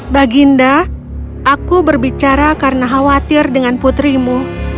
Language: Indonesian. baginda aku berbicara karena khawatir dengan putrimu